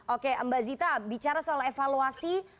oke mbak zita bicara soal evaluasi